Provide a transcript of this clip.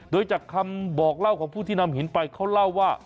โดยจากคำบอกเล่าของผู้ที่นำหินไปเขาเล่าว่า